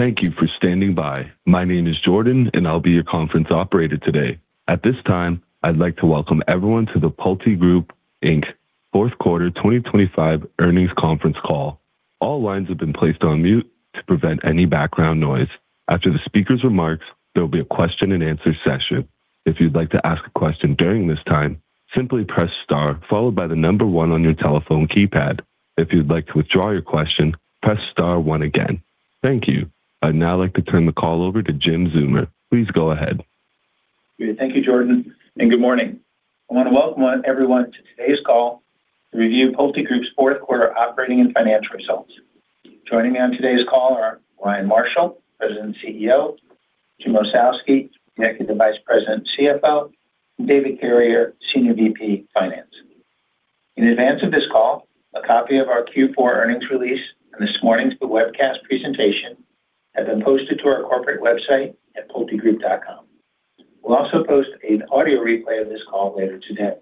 Thank you for standing by. My name is Jordan, and I'll be your conference operator today. At this time, I'd like to welcome everyone to the PulteGroup, Inc., Fourth Quarter 2025 Earnings Conference Call. All lines have been placed on mute to prevent any background noise. After the speaker's remarks, there will be a question-and-answer session. If you'd like to ask a question during this time, simply press star followed by the number one on your telephone keypad. If you'd like to withdraw your question, press star one again. Thank you. I'd now like to turn the call over to Jim Zeumer. Please go ahead. Thank you, Jordan, and good morning. I want to welcome everyone to today's call to review PulteGroup's Fourth Quarter operating and financial results. Joining me on today's call are Ryan Marshall, President and CEO. Jim Ossowski, Executive Vice President and CFO. David Carrier, Senior VP Finance. In advance of this call, a copy of our Q4 earnings release and this morning's webcast presentation have been posted to our corporate website at pultegroup.com. We'll also post an audio replay of this call later today.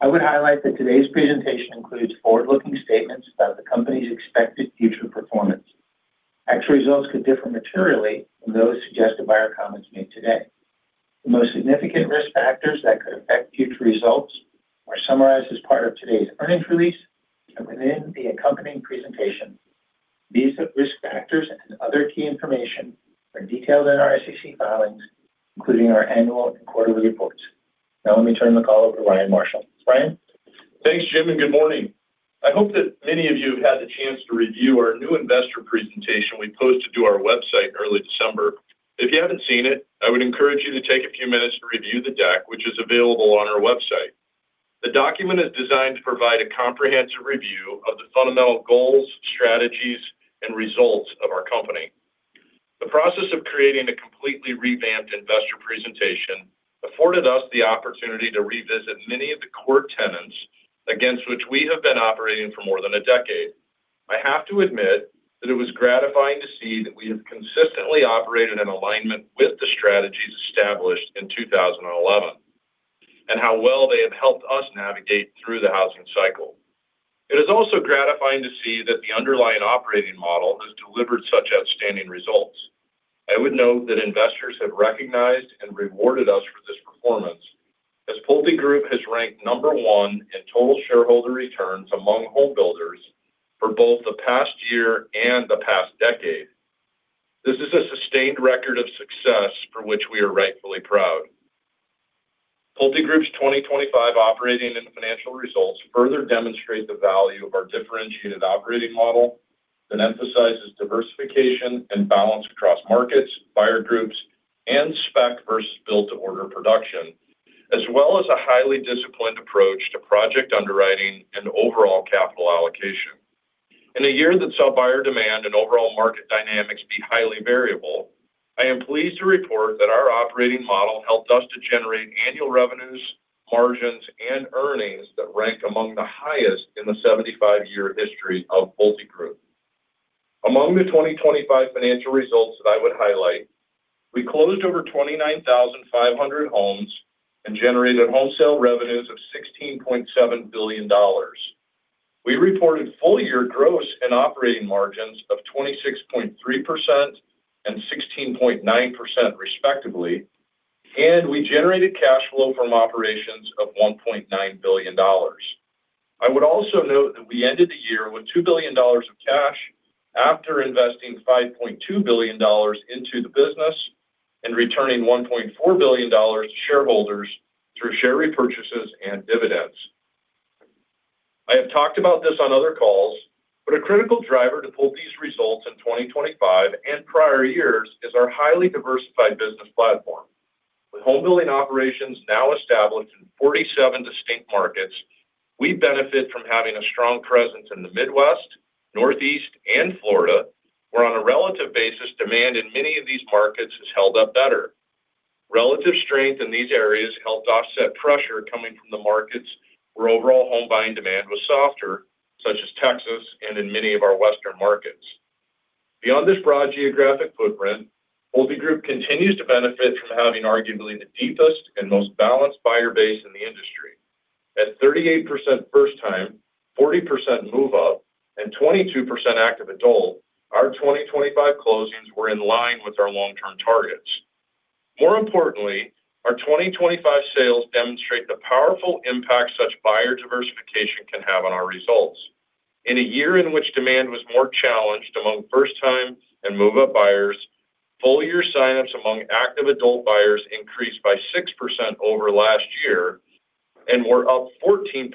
I would highlight that today's presentation includes forward-looking statements about the company's expected future performance. Actual results could differ materially from those suggested by our comments made today. The most significant risk factors that could affect future results are summarized as part of today's earnings release and within the accompanying presentation. These risk factors and other key information are detailed in our SEC filings, including our annual and quarterly reports. Now, let me turn the call over to Ryan Marshall. Ryan? Thanks, Jim, and good morning. I hope that many of you have had the chance to review our new investor presentation we posted to our website in early December. If you haven't seen it, I would encourage you to take a few minutes to review the deck, which is available on our website. The document is designed to provide a comprehensive review of the fundamental goals, strategies, and results of our company. The process of creating a completely revamped investor presentation afforded us the opportunity to revisit many of the core tenets against which we have been operating for more than a decade. I have to admit that it was gratifying to see that we have consistently operated in alignment with the strategies established in 2011 and how well they have helped us navigate through the housing cycle. It is also gratifying to see that the underlying operating model has delivered such outstanding results. I would note that investors have recognized and rewarded us for this performance, as PulteGroup has ranked number one in total shareholder returns among homebuilders for both the past year and the past decade. This is a sustained record of success for which we are rightfully proud. PulteGroup's 2025 operating and financial results further demonstrate the value of our differentiated operating model that emphasizes diversification and balance across markets, buyer groups, and spec versus build-to-order production, as well as a highly disciplined approach to project underwriting and overall capital allocation. In a year that saw buyer demand and overall market dynamics be highly variable, I am pleased to report that our operating model helped us to generate annual revenues, margins, and earnings that rank among the highest in the 75-year history of PulteGroup. Among the 2025 financial results that I would highlight, we closed over 29,500 homes and generated home sale revenues of $16.7 billion. We reported full-year gross and operating margins of 26.3% and 16.9%, respectively, and we generated cash flow from operations of $1.9 billion. I would also note that we ended the year with $2 billion of cash after investing $5.2 billion into the business and returning $1.4 billion to shareholders through share repurchases and dividends. I have talked about this on other calls, but a critical driver to Pulte's results in 2025 and prior years is our highly diversified business platform. With homebuilding operations now established in 47 distinct markets, we benefit from having a strong presence in the Midwest, Northeast, and Florida, where on a relative basis demand in many of these markets has held up better. Relative strength in these areas helped offset pressure coming from the markets where overall home buying demand was softer, such as Texas and in many of our western markets. Beyond this broad geographic footprint, PulteGroup continues to benefit from having arguably the deepest and most balanced buyer base in the industry. At 38% first-time, 40% move-up, and 22% active adult, our 2025 closings were in line with our long-term targets. More importantly, our 2025 sales demonstrate the powerful impact such buyer diversification can have on our results. In a year in which demand was more challenged among first-time and move-up buyers, full-year signups among active adult buyers increased by 6% over last year and were up 14%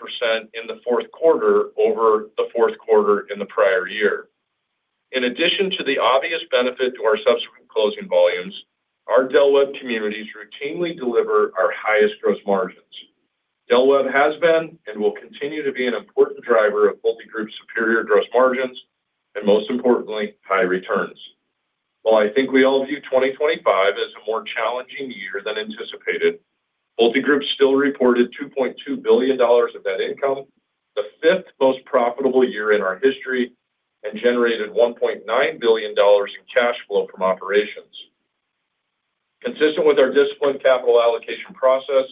in the fourth quarter over the fourth quarter in the prior year. In addition to the obvious benefit to our subsequent closing volumes, our Del Webb Communities routinely deliver our highest gross margins. Del Webb has been and will continue to be an important driver of PulteGroup's superior gross margins and, most importantly, high returns. While I think we all view 2025 as a more challenging year than anticipated, PulteGroup still reported $2.2 billion of net income, the fifth most profitable year in our history, and generated $1.9 billion in cash flow from operations. Consistent with our disciplined capital allocation process,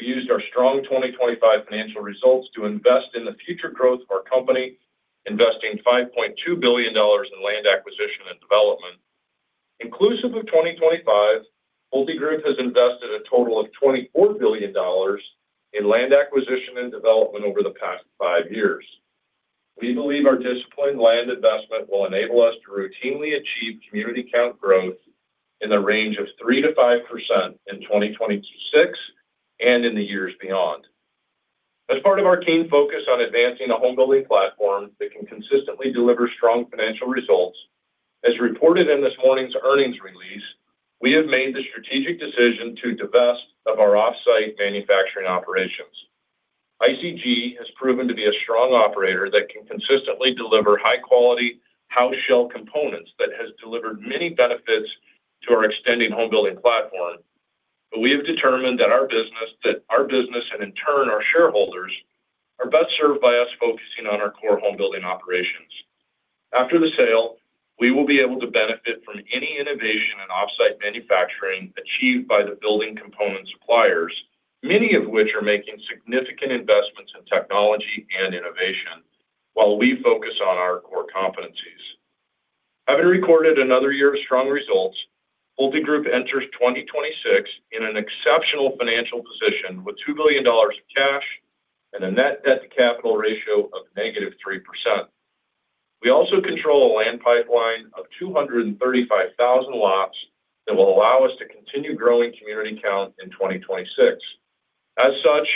we used our strong 2025 financial results to invest in the future growth of our company, investing $5.2 billion in land acquisition and development. Inclusive of 2025, PulteGroup has invested a total of $24 billion in land acquisition and development over the past five years. We believe our disciplined land investment will enable us to routinely achieve community count growth in the range of 3%-5% in 2026 and in the years beyond. As part of our keen focus on advancing a homebuilding platform that can consistently deliver strong financial results, as reported in this morning's earnings release, we have made the strategic decision to divest of our off-site manufacturing operations. ICG has proven to be a strong operator that can consistently deliver high-quality house shell components that has delivered many benefits to our extending homebuilding platform, but we have determined that our business and, in turn, our shareholders are best served by us focusing on our core homebuilding operations. After the sale, we will be able to benefit from any innovation in off-site manufacturing achieved by the building component suppliers, many of which are making significant investments in technology and innovation, while we focus on our core competencies. Having recorded another year of strong results, PulteGroup enters 2026 in an exceptional financial position with $2 billion of cash and a net debt-to-capital ratio of -3%. We also control a land pipeline of 235,000 lots that will allow us to continue growing community count in 2026. As such,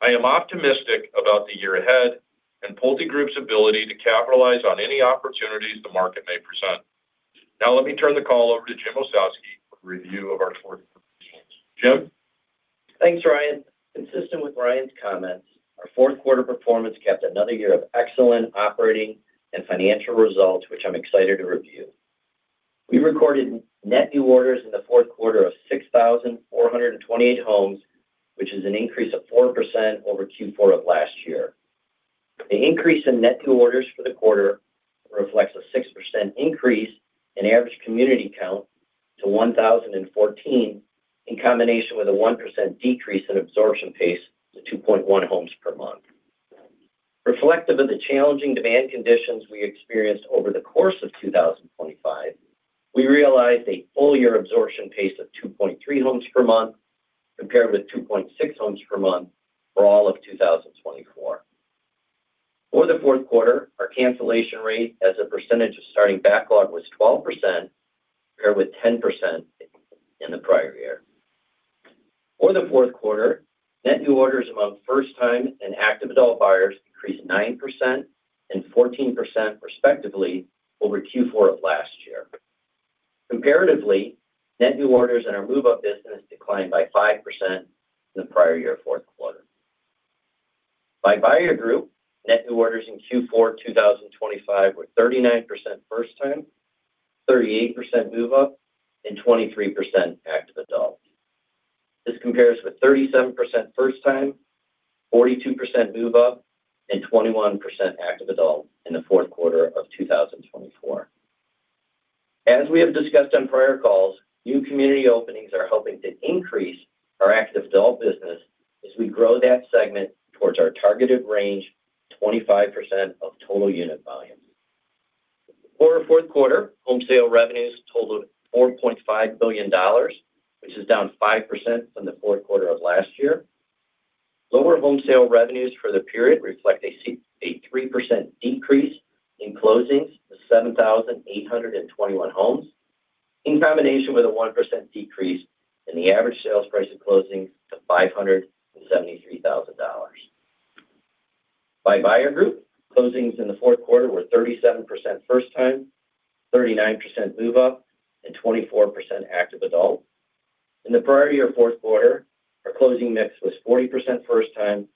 I am optimistic about the year ahead and PulteGroup's ability to capitalize on any opportunities the market may present. Now, let me turn the call over to Jim Ossowski for a review of our fourth quarter results. Jim? Thanks, Ryan. Consistent with Ryan's comments, our fourth quarter performance capped another year of excellent operating and financial results, which I'm excited to review. We recorded net new orders in the fourth quarter of 6,428 homes, which is an increase of 4% over Q4 of last year. The increase in net new orders for the quarter reflects a 6% increase in average community count to 1,014 in combination with a 1% decrease in absorption pace to 2.1 homes per month. Reflective of the challenging demand conditions we experienced over the course of 2025, we realized a full-year absorption pace of 2.3 homes per month compared with 2.6 homes per month for all of 2024. For the fourth quarter, our cancellation rate as a percentage of starting backlog was 12%, compared with 10% in the prior year. For the fourth quarter, net new orders among first-time and active adult buyers increased 9% and 14%, respectively, over Q4 of last year. Comparatively, net new orders in our move-up business declined by 5% in the prior year fourth quarter. By buyer group, net new orders in Q4 2025 were 39% first-time, 38% move-up, and 23% active adult. This compares with 37% first-time, 42% move-up, and 21% active adult in the fourth quarter of 2024. As we have discussed on prior calls, new community openings are helping to increase our active adult business as we grow that segment towards our targeted range, 25% of total unit volume. For our fourth quarter, home sale revenues totaled $4.5 billion, which is down 5% from the fourth quarter of last year. Lower home sale revenues for the period reflect a 3% decrease in closings to 7,821 homes, in combination with a 1% decrease in the average sales price of closings to $573,000. By buyer group, closings in the fourth quarter were 37% first-time, 39% move-up, and 24% active adult. In the prior year fourth quarter, our closing mix was 40% first-time,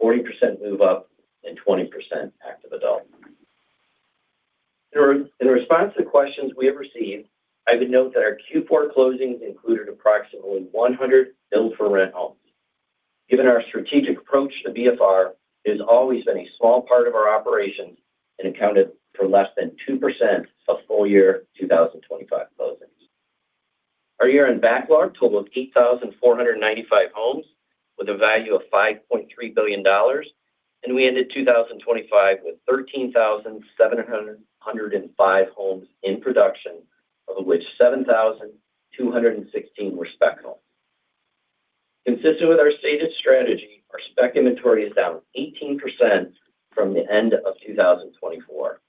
40% move-up, and 20% active adult. In response to the questions we have received, I would note that our Q4 closings included approximately 100 build-to-rent homes. Given our strategic approach to BFR, it has always been a small part of our operations and accounted for less than 2% of full-year 2025 closings. Our year-end backlog totaled 8,495 homes with a value of $5.3 billion, and we ended 2025 with 13,705 homes in production, of which 7,216 were spec homes. Consistent with our stated strategy, our spec inventory is down 18% from the end of 2024.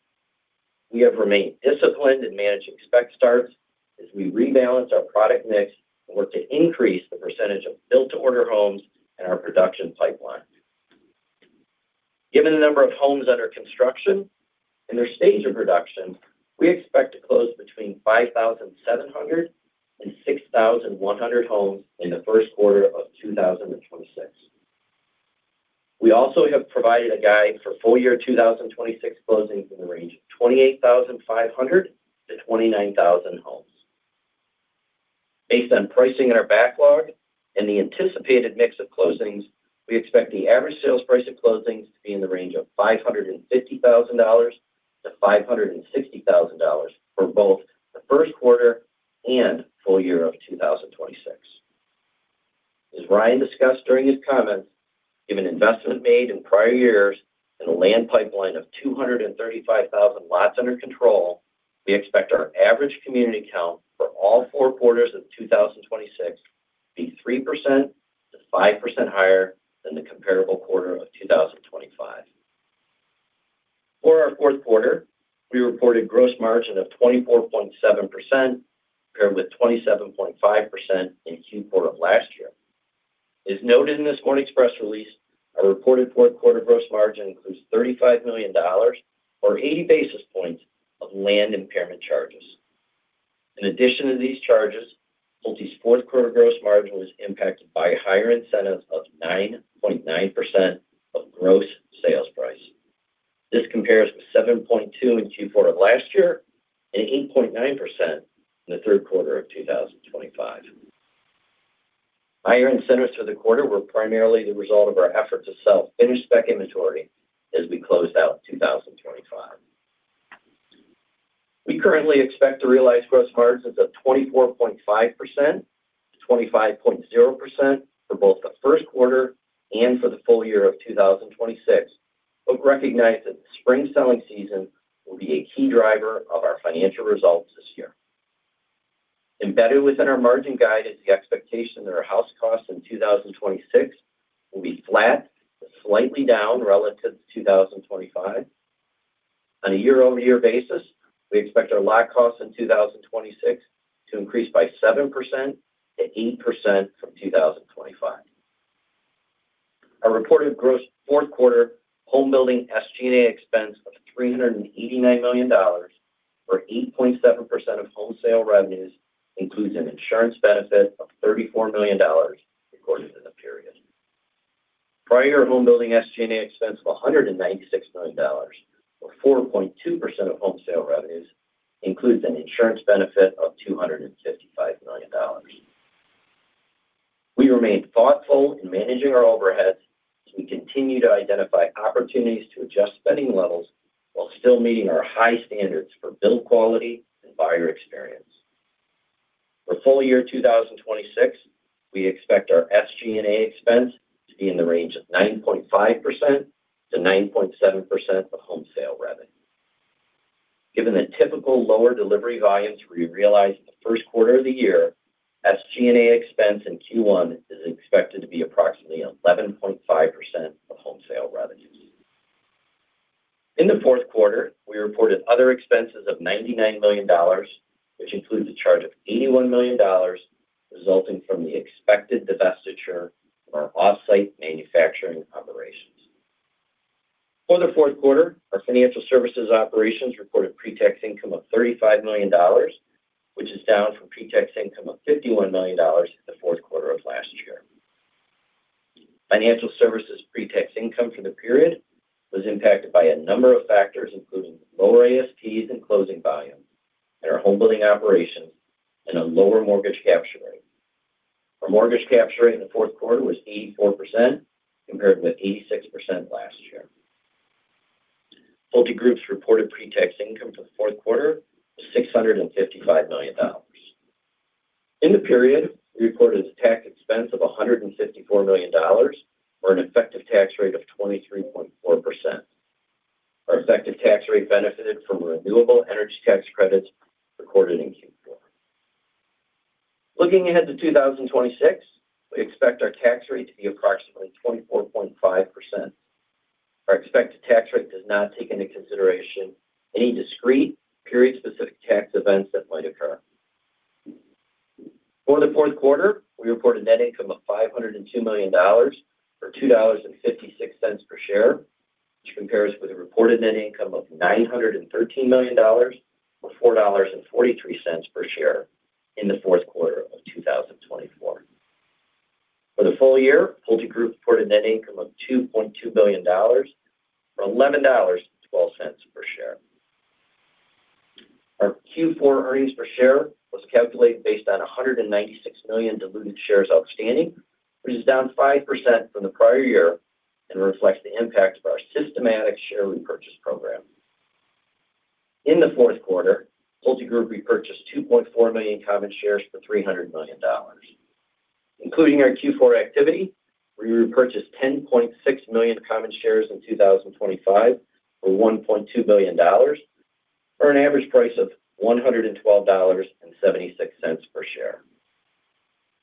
We have remained disciplined in managing spec starts as we rebalance our product mix and work to increase the percentage of build-to-order homes in our production pipeline. Given the number of homes under construction and their stage of production, we expect to close between 5,700 and 6,100 homes in the first quarter of 2026. We also have provided a guide for full-year 2026 closings in the range of 28,500-29,000 homes. Based on pricing in our backlog and the anticipated mix of closings, we expect the average sales price of closings to be in the range of $550,000-$560,000 for both the first quarter and full-year of 2026. As Ryan discussed during his comments, given investment made in prior years and a land pipeline of 235,000 lots under control, we expect our average community count for all four quarters of 2026 to be 3%-5% higher than the comparable quarter of 2025. For our fourth quarter, we reported gross margin of 24.7%, compared with 27.5% in Q4 of last year. As noted in this morning's press release, our reported fourth quarter gross margin includes $35 million, or 80 basis points, of land impairment charges. In addition to these charges, Pulte's fourth quarter gross margin was impacted by a higher incentive of 9.9% of gross sales price. This compares with 7.2% in Q4 of last year and 8.9% in the third quarter of 2025. Higher incentives for the quarter were primarily the result of our effort to sell finished spec inventory as we closed out 2025. We currently expect to realize gross margins of 24.5%-25.0% for both the first quarter and for the full year of 2026, but recognize that the spring selling season will be a key driver of our financial results this year. Embedded within our margin guide is the expectation that our house costs in 2026 will be flat to slightly down relative to 2025. On a year-over-year basis, we expect our lot costs in 2026 to increase by 7%-8% from 2025. Our reported gross fourth quarter homebuilding SG&A expense of $389 million, or 8.7% of home sale revenues, includes an insurance benefit of $34 million recorded in the period. Prior homebuilding SG&A expense of $196 million, or 4.2% of home sale revenues, includes an insurance benefit of $255 million. We remain thoughtful in managing our overheads as we continue to identify opportunities to adjust spending levels while still meeting our high standards for build quality and buyer experience. For full-year 2026, we expect our SG&A expense to be in the range of 9.5%-9.7% of home sale revenue. Given the typical lower delivery volumes we realized in the first quarter of the year, SG&A expense in Q1 is expected to be approximately 11.5% of home sale revenues. In the fourth quarter, we reported other expenses of $99 million, which includes a charge of $81 million, resulting from the expected divestiture of our off-site manufacturing operations. For the fourth quarter, our financial services operations reported pre-tax income of $35 million, which is down from pre-tax income of $51 million in the fourth quarter of last year. Financial services pre-tax income for the period was impacted by a number of factors, including lower ASPs and closing volumes in our homebuilding operations and a lower mortgage capture rate. Our mortgage capture rate in the fourth quarter was 84%, compared with 86% last year. PulteGroup's reported pre-tax income for the fourth quarter was $655 million. In the period, we reported a tax expense of $154 million, or an effective tax rate of 23.4%. Our effective tax rate benefited from renewable energy tax credits recorded in Q4. Looking ahead to 2026, we expect our tax rate to be approximately 24.5%. Our expected tax rate does not take into consideration any discrete period-specific tax events that might occur. For the fourth quarter, we reported net income of $502 million, or $2.56 per share, which compares with a reported net income of $913 million, or $4.43 per share in the fourth quarter of 2024. For the full year, PulteGroup reported net income of $2.2 billion, or $11.12 per share. Our Q4 earnings per share was calculated based on 196 million diluted shares outstanding, which is down 5% from the prior year and reflects the impact of our systematic share repurchase program. In the fourth quarter, PulteGroup repurchased 2.4 million common shares for $300 million. Including our Q4 activity, we repurchased 10.6 million common shares in 2025 for $1.2 billion, for an average price of $112.76 per share.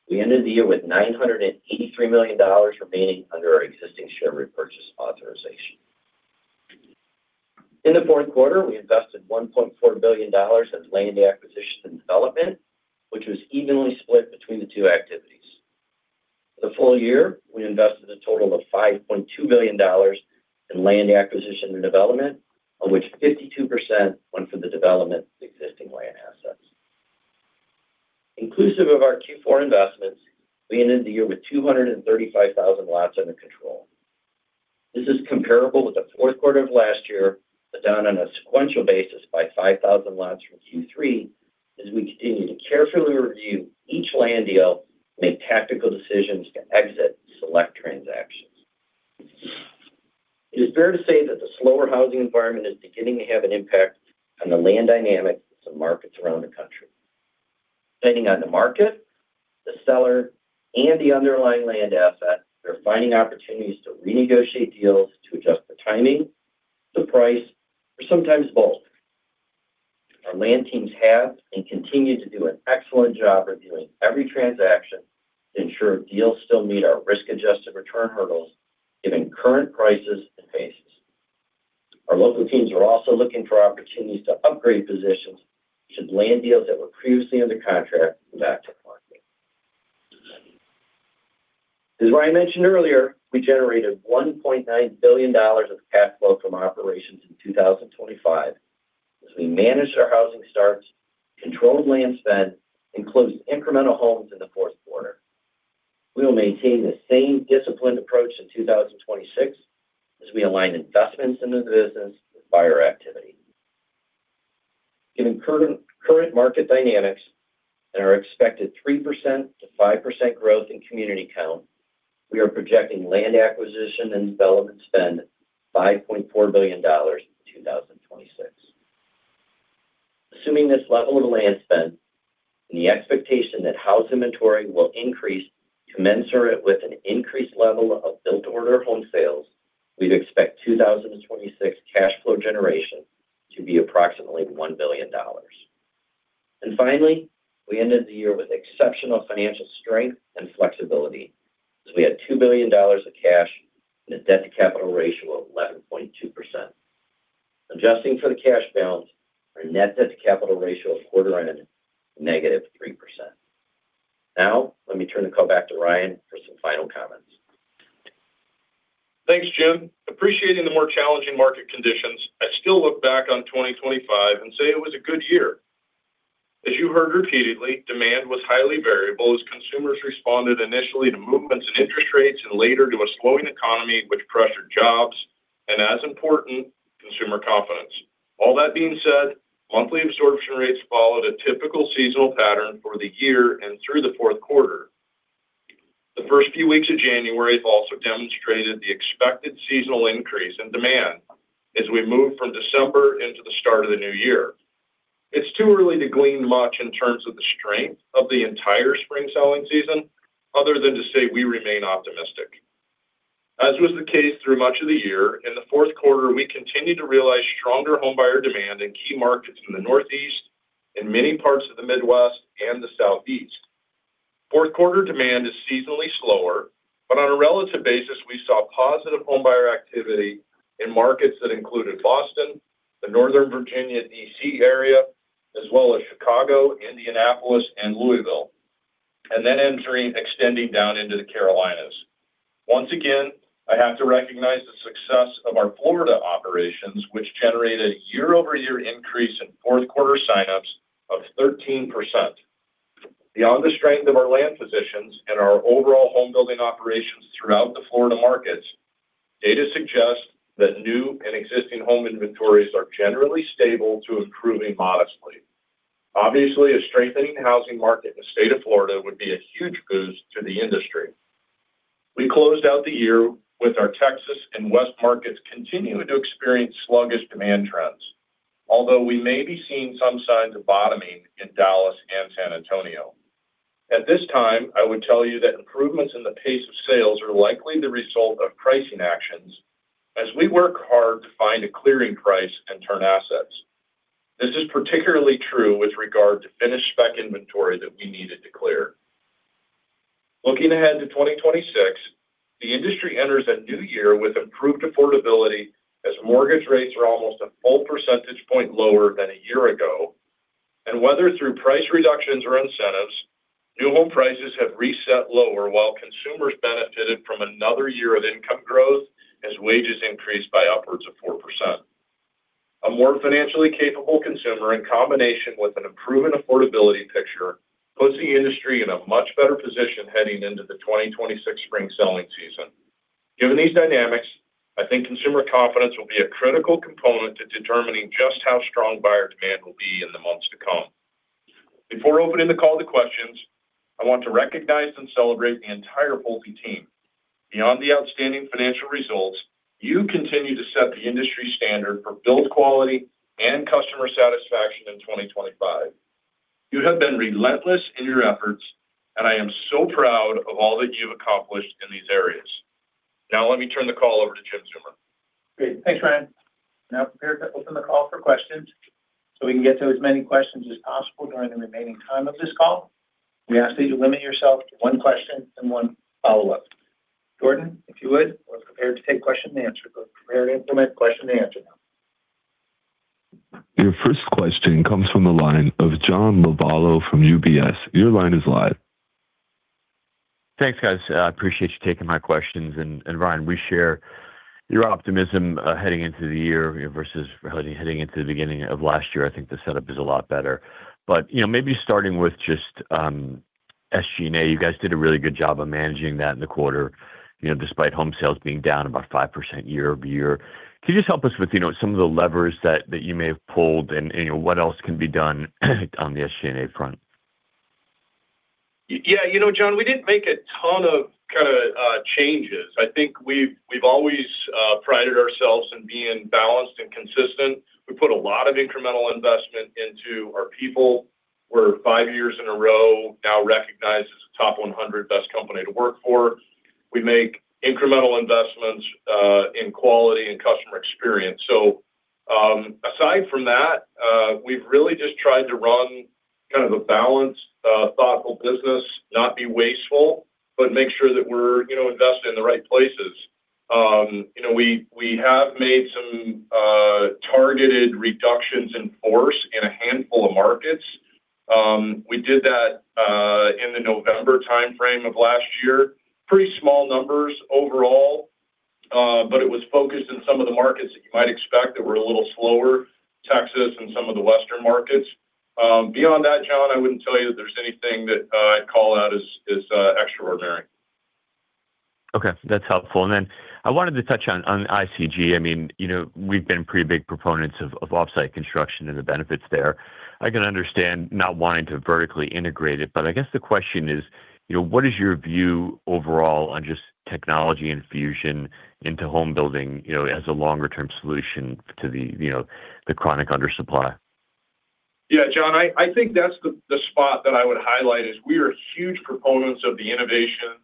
We ended the year with $983 million remaining under our existing share repurchase authorization. In the fourth quarter, we invested $1.4 billion in land acquisition and development, which was evenly split between the two activities. For the full year, we invested a total of $5.2 billion in land acquisition and development, of which 52% went for the development of existing land assets. Inclusive of our Q4 investments, we ended the year with 235,000 lots under control. This is comparable with the fourth quarter of last year, but down on a sequential basis by 5,000 lots from Q3, as we continue to carefully review each land deal and make tactical decisions to exit select transactions. It is fair to say that the slower housing environment is beginning to have an impact on the land dynamics of markets around the country. Depending on the market, the seller, and the underlying land asset, they're finding opportunities to renegotiate deals to adjust the timing, the price, or sometimes both. Our land teams have and continue to do an excellent job reviewing every transaction to ensure deals still meet our risk-adjusted return hurdles, given current prices and basis. Our local teams are also looking for opportunities to upgrade positions, which is land deals that were previously under contract, back to market. As Ryan mentioned earlier, we generated $1.9 billion of cash flow from operations in 2025 as we managed our housing starts, controlled land spend, and closed incremental homes in the fourth quarter. We will maintain the same disciplined approach in 2026 as we align investments into the business with buyer activity. Given current market dynamics and our expected 3%-5% growth in community count, we are projecting land acquisition and development spend $5.4 billion in 2026. Assuming this level of land spend and the expectation that house inventory will increase commensurate with an increased level of build-to-order home sales, we expect 2026 cash flow generation to be approximately $1 billion. And finally, we ended the year with exceptional financial strength and flexibility, as we had $2 billion of cash and a debt-to-capital ratio of 11.2%. Adjusting for the cash balance, our net debt-to-capital ratio at quarter-end was -3%. Now, let me turn the call back to Ryan for some final comments. Thanks, Jim. Appreciating the more challenging market conditions, I still look back on 2025 and say it was a good year. As you heard repeatedly, demand was highly variable as consumers responded initially to movements in interest rates and later to a slowing economy, which pressured jobs and, as important, consumer confidence. All that being said, monthly absorption rates followed a typical seasonal pattern for the year and through the fourth quarter. The first few weeks of January have also demonstrated the expected seasonal increase in demand as we move from December into the start of the new year. It's too early to glean much in terms of the strength of the entire spring selling season, other than to say we remain optimistic. As was the case through much of the year, in the fourth quarter, we continue to realize stronger homebuyer demand in key markets in the Northeast, in many parts of the Midwest, and the Southeast. Fourth quarter demand is seasonally slower, but on a relative basis, we saw positive homebuyer activity in markets that included Boston, the Northern Virginia D.C. area, as well as Chicago, Indianapolis, and Louisville, and then extending down into the Carolinas. Once again, I have to recognize the success of our Florida operations, which generated a year-over-year increase in fourth quarter signups of 13%. Beyond the strength of our land positions and our overall homebuilding operations throughout the Florida markets, data suggest that new and existing home inventories are generally stable to improving modestly. Obviously, a strengthening housing market in the state of Florida would be a huge boost to the industry. We closed out the year with our Texas and West markets continuing to experience sluggish demand trends, although we may be seeing some signs of bottoming in Dallas and San Antonio. At this time, I would tell you that improvements in the pace of sales are likely the result of pricing actions as we work hard to find a clearing price and turn assets. This is particularly true with regard to finished spec inventory that we needed to clear. Looking ahead to 2026, the industry enters a new year with improved affordability as mortgage rates are almost a full percentage point lower than a year ago, and whether through price reductions or incentives, new home prices have reset lower while consumers benefited from another year of income growth as wages increased by upwards of 4%. A more financially capable consumer, in combination with an improved affordability picture, puts the industry in a much better position heading into the 2026 spring selling season. Given these dynamics, I think consumer confidence will be a critical component to determining just how strong buyer demand will be in the months to come. Before opening the call to questions, I want to recognize and celebrate the entire Pulte team. Beyond the outstanding financial results, you continue to set the industry standard for build quality and customer satisfaction in 2025. You have been relentless in your efforts, and I am so proud of all that you've accomplished in these areas. Now, let me turn the call over to Jim Zeumer. Great. Thanks, Ryan. Now, prepare to open the call for questions so we can get to as many questions as possible during the remaining time of this call. We ask that you limit yourself to one question and one follow-up. Jordan, if you would, prepare to take question and answer. Prepare to implement question and answer now. Your first question comes from the line of John Lovallo from UBS. Your line is live. Thanks, guys. I appreciate you taking my questions. And Ryan, we share your optimism heading into the year versus heading into the beginning of last year. I think the setup is a lot better. But maybe starting with just SG&A, you guys did a really good job of managing that in the quarter, despite home sales being down about 5% year-over-year. Can you just help us with some of the levers that you may have pulled and what else can be done on the SG&A front? Yeah. You know, John, we didn't make a ton of kind of changes. I think we've always prided ourselves on being balanced and consistent. We put a lot of incremental investment into our people. We're five years in a row now recognized as a top 100 best company to work for. We make incremental investments in quality and customer experience. So aside from that, we've really just tried to run kind of a balanced, thoughtful business, not be wasteful, but make sure that we're investing in the right places. We have made some targeted reductions in force in a handful of markets. We did that in the November timeframe of last year. Pretty small numbers overall, but it was focused in some of the markets that you might expect that were a little slower, Texas and some of the Western markets. Beyond that, John, I wouldn't tell you that there's anything that I'd call out as extraordinary. Okay. That's helpful. And then I wanted to touch on ICG. I mean, we've been pretty big proponents of off-site construction and the benefits there. I can understand not wanting to vertically integrate it, but I guess the question is, what is your view overall on just technology infusion into homebuilding as a longer-term solution to the chronic undersupply? Yeah, John, I think that's the spot that I would highlight, is we are huge proponents of the innovation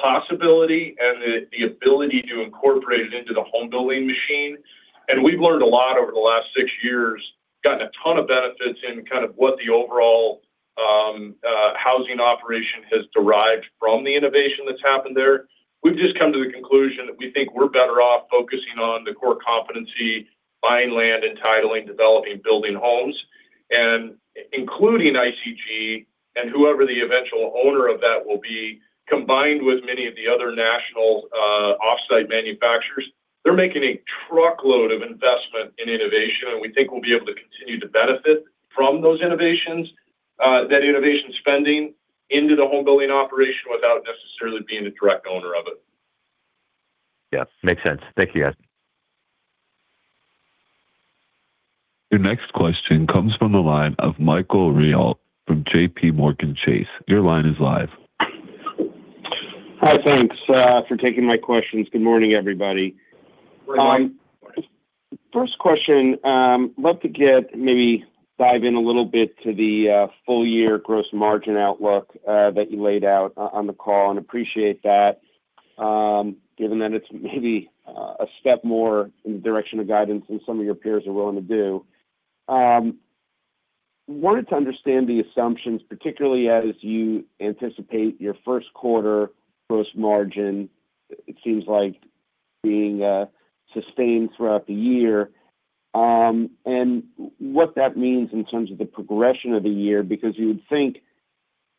possibility and the ability to incorporate it into the homebuilding machine. And we've learned a lot over the last six years, gotten a ton of benefits in kind of what the overall housing operation has derived from the innovation that's happened there. We've just come to the conclusion that we think we're better off focusing on the core competency: buying land, entitling, developing, building homes. And including ICG and whoever the eventual owner of that will be, combined with many of the other national off-site manufacturers, they're making a truckload of investment in innovation, and we think we'll be able to continue to benefit from those innovations, that innovation spending into the homebuilding operation without necessarily being a direct owner of it. Yeah. Makes sense. Thank you, guys. Your next question comes from the line of Michael Rehaut from J.P. Morgan. Your line is live. Hi, thanks for taking my questions. Good morning, everybody. Good morning. First question, I'd love to get maybe dive in a little bit to the full-year gross margin outlook that you laid out on the call and appreciate that, given that it's maybe a step more in the direction of guidance than some of your peers are willing to do. Wanted to understand the assumptions, particularly as you anticipate your first quarter gross margin. It seems like being sustained throughout the year, and what that means in terms of the progression of the year, because you would think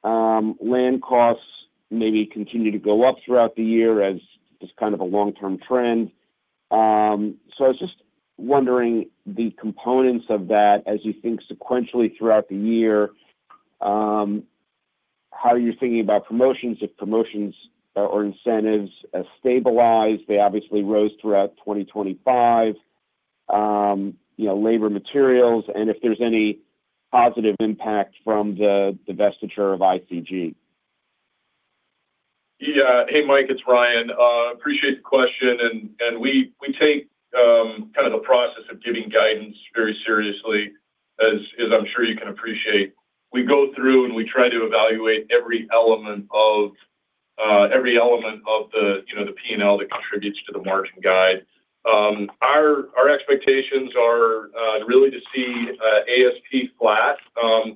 land costs maybe continue to go up throughout the year as just kind of a long-term trend. So I was just wondering the components of that as you think sequentially throughout the year, how you're thinking about promotions, if promotions or incentives stabilize. They obviously rose throughout 2025, labor, materials, and if there's any positive impact from the divestiture of ICG. Yeah. Hey, Mike, it's Ryan. Appreciate the question. And we take kind of the process of giving guidance very seriously, as I'm sure you can appreciate. We go through and we try to evaluate every element of every element of the P&L that contributes to the margin guide. Our expectations are really to see ASP flat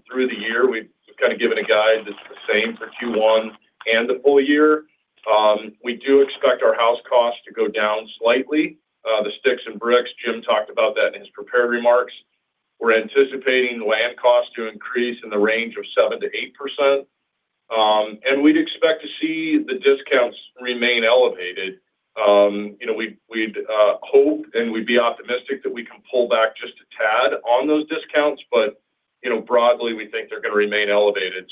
through the year. We've kind of given a guide that's the same for Q1 and the full year. We do expect our house costs to go down slightly. The sticks and bricks, Jim talked about that in his prepared remarks. We're anticipating land costs to increase in the range of 7%-8%. We'd expect to see the discounts remain elevated. We'd hope and we'd be optimistic that we can pull back just a tad on those discounts, but broadly, we think they're going to remain elevated.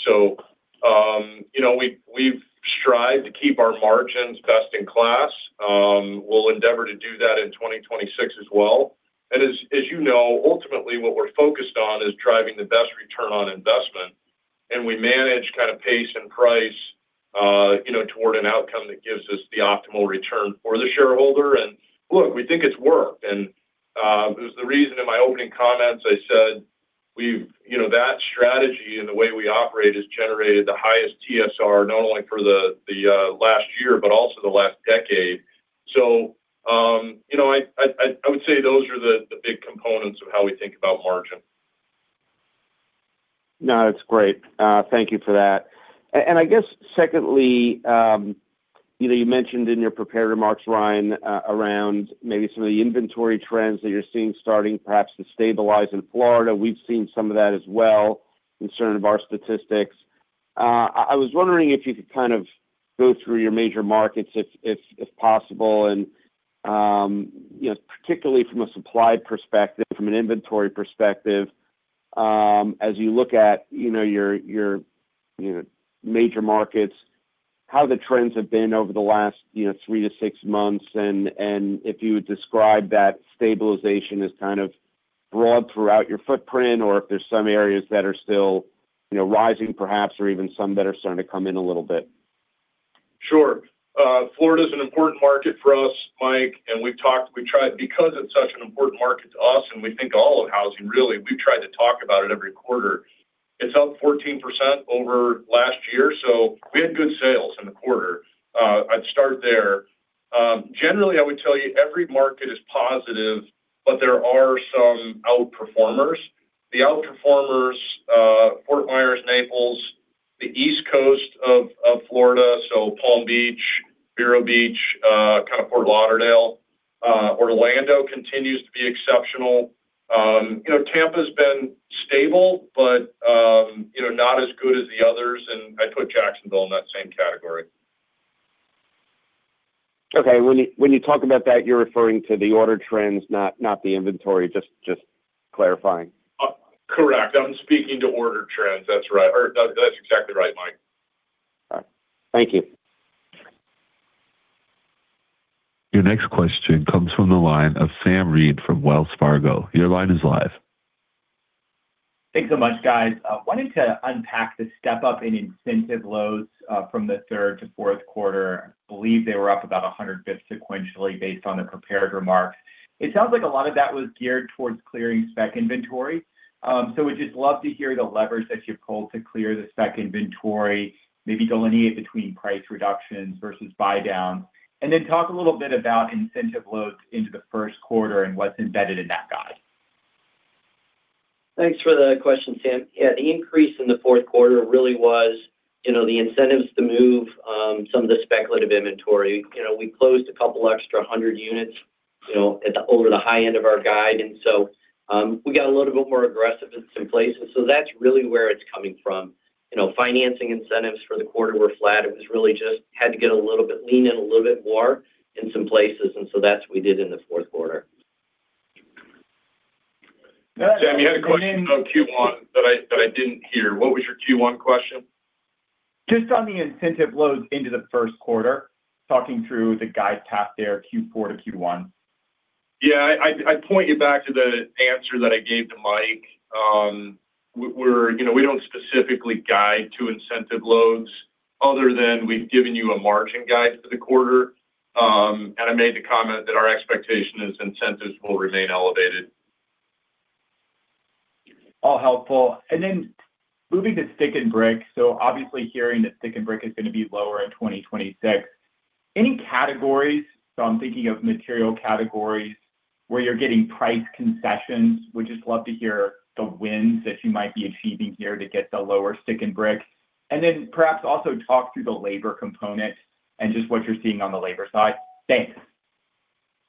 We've strived to keep our margins best in class. We'll endeavor to do that in 2026 as well. As you know, ultimately, what we're focused on is driving the best return on investment. We manage kind of pace and price toward an outcome that gives us the optimal return for the shareholder. And look, we think it's worked. And it was the reason in my opening comments I said that strategy and the way we operate has generated the highest TSR, not only for the last year, but also the last decade. So I would say those are the big components of how we think about margin. No, that's great. Thank you for that. And I guess, secondly, you mentioned in your prepared remarks, Ryan, around maybe some of the inventory trends that you're seeing starting perhaps to stabilize in Florida. We've seen some of that as well, per our statistics. I was wondering if you could kind of go through your major markets, if possible, and particularly from a supply perspective, from an inventory perspective, as you look at your major markets, how the trends have been over the last three to six months, and if you would describe that stabilization as kind of broad throughout your footprint, or if there's some areas that are still rising, perhaps, or even some that are starting to come in a little bit. Sure. Florida is an important market for us, Mike, and we've tried because it's such an important market to us, and we think all of housing, really, we've tried to talk about it every quarter. It's up 14% over last year, so we had good sales in the quarter. I'd start there. Generally, I would tell you every market is positive, but there are some outperformers. The outperformers, Fort Myers, Naples, the East Coast of Florida, so Palm Beach, Vero Beach, kind of Fort Lauderdale, Orlando continues to be exceptional. Tampa has been stable, but not as good as the others, and I'd put Jacksonville in that same category. Okay. When you talk about that, you're referring to the order trends, not the inventory, just clarifying. Correct. I'm speaking to order trends. That's right. That's exactly right, Mike. All right. Thank you. Your next question comes from the line of Sam Reid from Wells Fargo. Your line is live. Thanks so much, guys. Wanted to unpack the step-up in incentive loads from the third to fourth quarter. I believe they were up about 100 basis points sequentially based on the prepared remarks. It sounds like a lot of that was geared towards clearing spec inventory. So we'd just love to hear the levers that you pulled to clear the spec inventory, maybe delineate between price reductions versus buy-downs, and then talk a little bit about incentive loads into the first quarter and what's embedded in that guide. Thanks for the question, Sam. Yeah, the increase in the fourth quarter really was the incentives to move some of the speculative inventory. We closed 200 extra units over the high end of our guide, and so we got a little bit more aggressive in some places. So that's really where it's coming from. Financing incentives for the quarter were flat. It was really just had to get a little bit lean and a little bit more in some places, and so that's what we did in the fourth quarter. Sam, you had a question about Q1 that I didn't hear. What was your Q1 question? Just on the incentive loads into the first quarter, talking through the guide path there, Q4 to Q1. Yeah. I point you back to the answer that I gave to Mike. We don't specifically guide to incentive loads other than we've given you a margin guide for the quarter. And I made the comment that our expectation is incentives will remain elevated. All helpful. And then moving to stick and brick. So obviously, hearing that stick and brick is going to be lower in 2026. Any categories? So I'm thinking of material categories where you're getting price concessions. We'd just love to hear the wins that you might be achieving here to get the lower stick and brick. And then perhaps also talk through the labor component and just what you're seeing on the labor side. Thanks.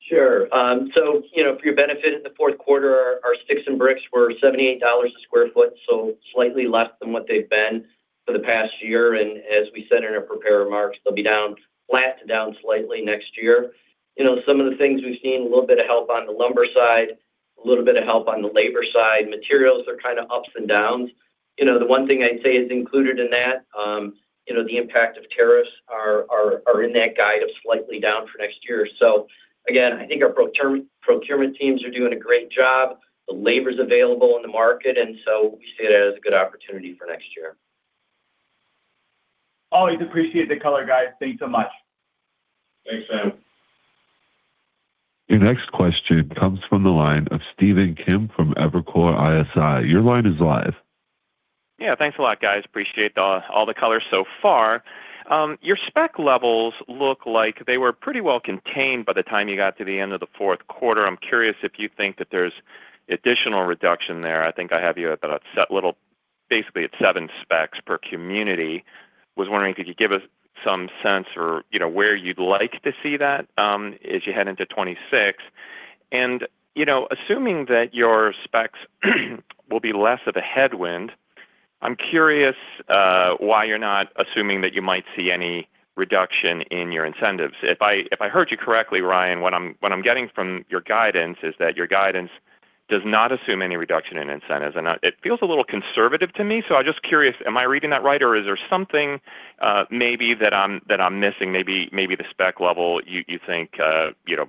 Sure. So for your benefit, in the fourth quarter, our sticks and bricks were $78 a sq ft, so slightly less than what they've been for the past year. And as we said in our prepared remarks, they'll be flat to down slightly next year. Some of the things we've seen, a little bit of help on the lumber side, a little bit of help on the labor side. Materials, they're kind of ups and downs. The one thing I'd say is included in that, the impact of tariffs are in that guide of slightly down for next year. So again, I think our procurement teams are doing a great job. The labor's available in the market, and so we see it as a good opportunity for next year. Always appreciate the color, guys. Thanks so much. Thanks, Sam. Your next question comes from the line of Stephen Kim from Evercore ISI. Your line is live. Yeah. Thanks a lot, guys. Appreciate all the colors so far. Your spec levels look like they were pretty well contained by the time you got to the end of the fourth quarter. I'm curious if you think that there's additional reduction there. I think I have you at a little, basically at seven specs per community. I was wondering if you could give us some sense of where you'd like to see that as you head into 2026. And assuming that your specs will be less of a headwind, I'm curious why you're not assuming that you might see any reduction in your incentives. If I heard you correctly, Ryan, what I'm getting from your guidance is that your guidance does not assume any reduction in incentives. It feels a little conservative to me, so I'm just curious, am I reading that right, or is there something maybe that I'm missing? Maybe the spec level you think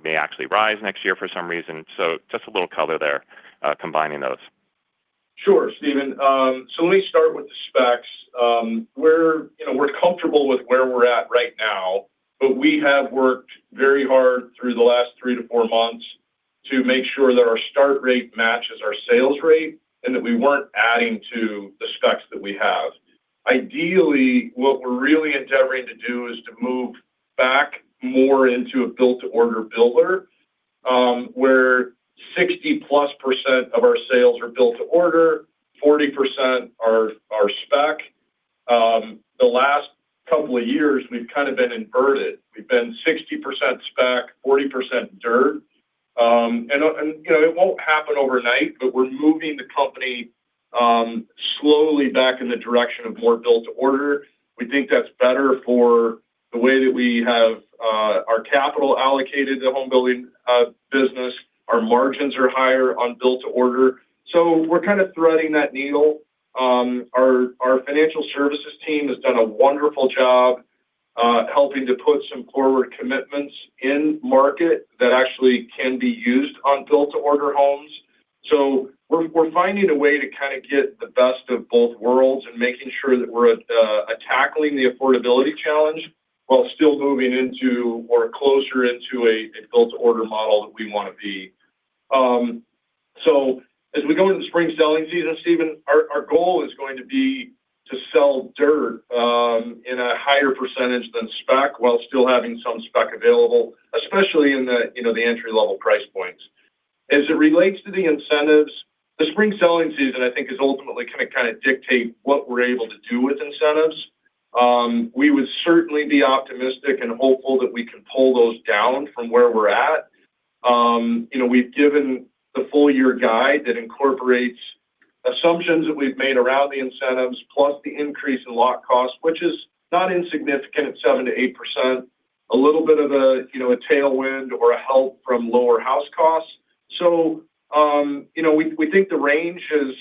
may actually rise next year for some reason. Just a little color there, combining those. Sure, Steven. Let me start with the specs. We're comfortable with where we're at right now, but we have worked very hard through the last 3 months-4 months to make sure that our start rate matches our sales rate and that we weren't adding to the specs that we have. Ideally, what we're really endeavoring to do is to move back more into a built-to-order builder where 60+% of our sales are built-to-order, 40% are spec. The last couple of years, we've kind of been inverted. We've been 60% spec, 40% dirt. It won't happen overnight, but we're moving the company slowly back in the direction of more built-to-order. We think that's better for the way that we have our capital allocated to the homebuilding business. Our margins are higher on built-to-order. So we're kind of threading that needle. Our financial services team has done a wonderful job helping to put some forward commitments in market that actually can be used on built-to-order homes. So we're finding a way to kind of get the best of both worlds and making sure that we're tackling the affordability challenge while still moving into or closer into a built-to-order model that we want to be. So as we go into the spring selling season, Steven, our goal is going to be to sell dirt in a higher percentage than spec while still having some spec available, especially in the entry-level price points. As it relates to the incentives, the spring selling season, I think, is ultimately going to kind of dictate what we're able to do with incentives. We would certainly be optimistic and hopeful that we can pull those down from where we're at. We've given the full-year guide that incorporates assumptions that we've made around the incentives, plus the increase in lot costs, which is not insignificant at 7%-8%, a little bit of a tailwind or a help from lower house costs. So we think the range is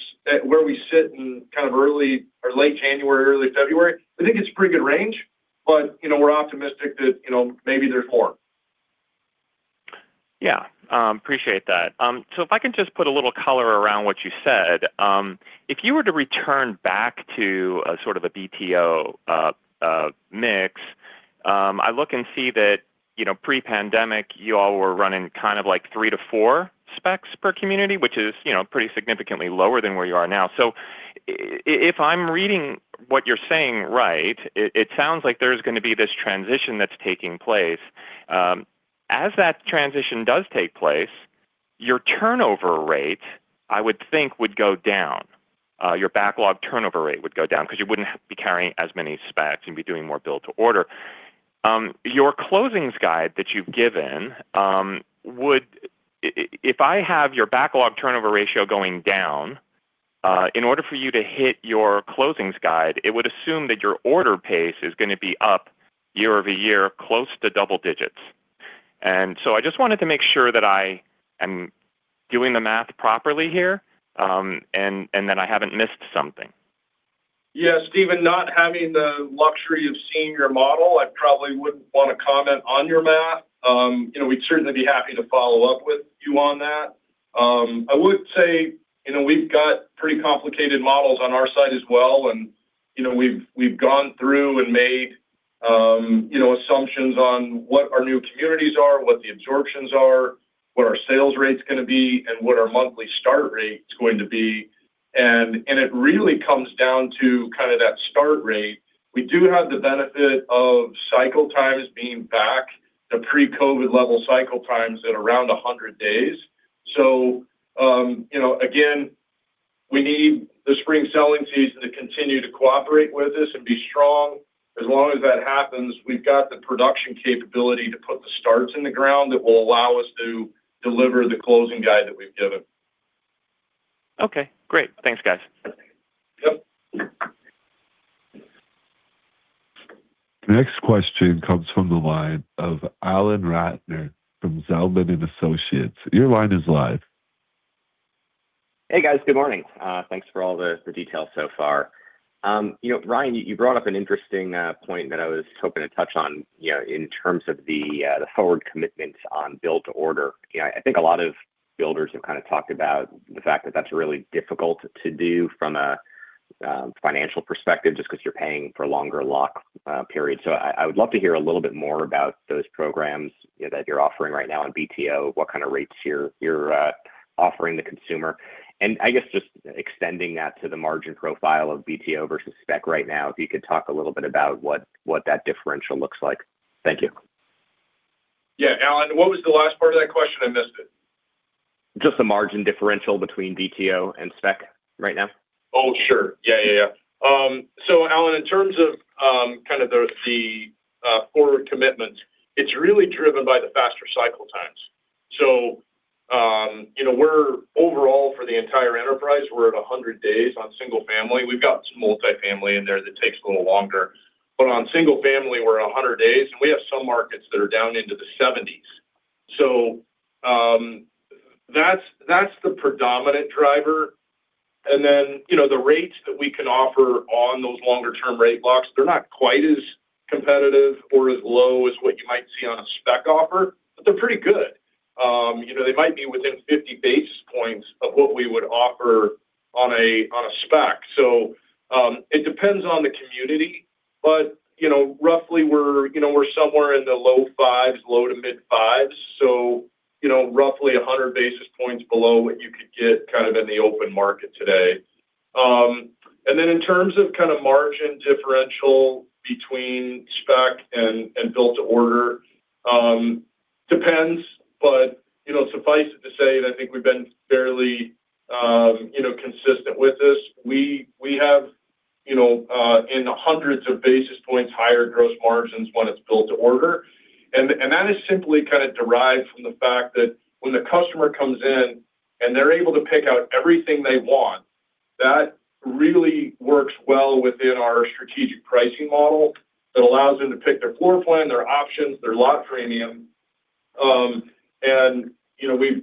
where we sit in kind of early or late January, early February. We think it's a pretty good range, but we're optimistic that maybe there's more. Yeah. Appreciate that. So if I can just put a little color around what you said, if you were to return back to sort of a BTO mix, I look and see that pre-pandemic, you all were running kind of like 3-4 specs per community, which is pretty significantly lower than where you are now. So if I'm reading what you're saying right, it sounds like there's going to be this transition that's taking place. As that transition does take place, your turnover rate, I would think, would go down. Your backlog turnover rate would go down because you wouldn't be carrying as many specs and be doing more built-to-order. Your closings guide that you've given, if I have your backlog turnover ratio going down, in order for you to hit your closings guide, it would assume that your order pace is going to be up year-over-year, close to double digits. And so I just wanted to make sure that I am doing the math properly here and that I haven't missed something. Yeah. Steven, not having the luxury of seeing your model, I probably wouldn't want to comment on your math. We'd certainly be happy to follow up with you on that. I would say we've got pretty complicated models on our side as well, and we've gone through and made assumptions on what our new communities are, what the absorptions are, what our sales rate's going to be, and what our monthly start rate's going to be. It really comes down to kind of that start rate. We do have the benefit of cycle times being back to the pre-COVID level cycle times at around 100 days. So again, we need the spring selling season to continue to cooperate with us and be strong. As long as that happens, we've got the production capability to put the starts in the ground that will allow us to deliver the closing guide that we've given. Okay. Great. Thanks, guys. Yep. Next question comes from the line of Alan Ratner from Zelman & Associates. Your line is live. Hey, guys. Good morning. Thanks for all the details so far. Ryan, you brought up an interesting point that I was hoping to touch on in terms of the forward commitments on built-to-order. I think a lot of builders have kind of talked about the fact that that's really difficult to do from a financial perspective just because you're paying for a longer lock period. So I would love to hear a little bit more about those programs that you're offering right now in BTO, what kind of rates you're offering the consumer. And I guess just extending that to the margin profile of BTO versus spec right now, if you could talk a little bit about what that differential looks like. Thank you. Yeah. Alan, what was the last part of that question? I missed it. Just the margin differential between BTO and spec right now. Oh, sure. Yeah, yeah, yeah. So Alan, in terms of kind of the forward commitments, it's really driven by the faster cycle times. So overall, for the entire enterprise, we're at 100 days on single-family. We've got some multi-family in there that takes a little longer. But on single-family, we're at 100 days, and we have some markets that are down into the 70s. So that's the predominant driver. And then the rates that we can offer on those longer-term rate locks, they're not quite as competitive or as low as what you might see on a spec offer, but they're pretty good. They might be within 50 basis points of what we would offer on a spec. So it depends on the community, but roughly, we're somewhere in the low fives, low to mid-fives, so roughly 100 basis points below what you could get kind of in the open market today. And then in terms of kind of margin differential between spec and built-to-order, depends, but suffice it to say that I think we've been fairly consistent with this. We have, in the hundreds of basis points, higher gross margins when it's built-to-order. And that is simply kind of derived from the fact that when the customer comes in and they're able to pick out everything they want, that really works well within our strategic pricing model that allows them to pick their floor plan, their options, their lot premium. And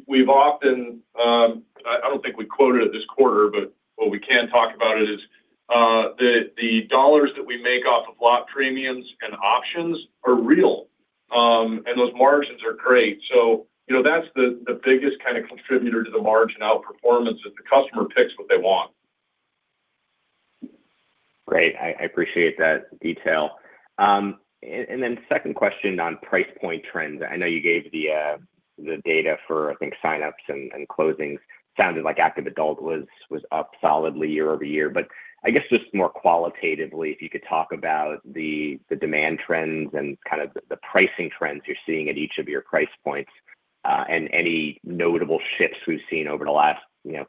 we've often—I don't think we quoted it this quarter, but what we can talk about is the dollars that we make off of lot premiums and options are real, and those margins are great. So that's the biggest kind of contributor to the margin outperformance is the customer picks what they want. Great. I appreciate that detail. And then second question on price point trends. I know you gave the data for, I think, sign-ups and closings. Sounded like active adult was up solidly year-over-year. But I guess just more qualitatively, if you could talk about the demand trends and kind of the pricing trends you're seeing at each of your price points and any notable shifts we've seen over the last,